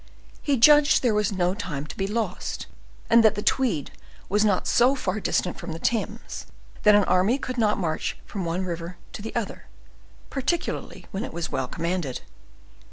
He judged there was no time to be lost, and that the Tweed was not so far distant from the Thames that an army could not march from one river to the other, particularly when it was well commanded.